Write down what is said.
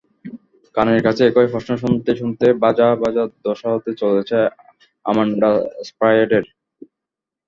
কানের কাছে একই প্রশ্ন শুনতে শুনতে ভাজা ভাজা দশা হতে চলেছে আমান্ডা সেফ্রায়েডের।